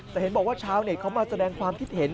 แต่เห็นบอกว่าชาวเน็ตเขามาแสดงความคิดเห็น